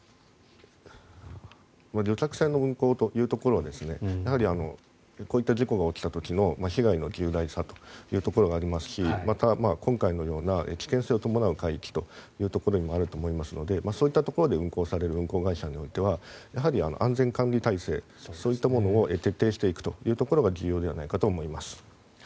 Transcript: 旅客船の運航というところはやはりこういった事故が起きた時の被害の重大さというところがありますしまた、今回のような危険性を伴う海域ということもあると思いますのでそういったところで運航される運航会社においてはやはり安全管理体制そういったものを徹底していくことが重要ではないかと思います。